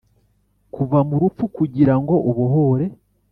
kuva mu rupfu kugira ngo ubohore.